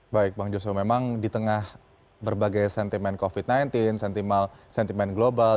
baik bang joshua memang di tengah berbagai sentimen covid sembilan belas sentimen global